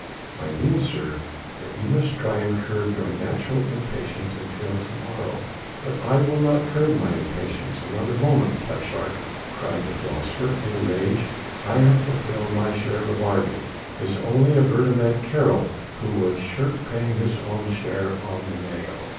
"I mean, sir, that you must try and curb your natural impatience until to morrow." "But I will not curb mine impatience another moment, plepshurk," cried the philosopher in a rage, "I have fulfilled my share of a bargain, 'tis only a verdommte Keerl who would shirk paying his own share on the nail."